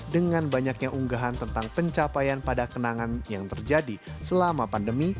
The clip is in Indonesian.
dengan banyaknya unggahan tentang pencapaian pada kenangan yang terjadi selama pandemi